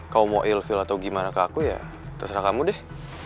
kalau mau ill feel atau gimana ke aku ya terserah kamu deh